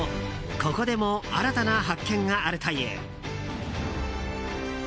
ここでも新たな発見があるという。